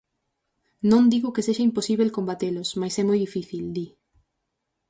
Non digo que sexa imposíbel combatelos, mais é moi difícil, di.